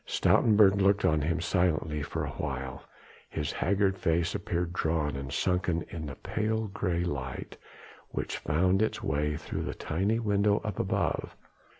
Stoutenburg looked on him silently for awhile, his haggard face appeared drawn and sunken in the pale grey light which found its way through the tiny window up above.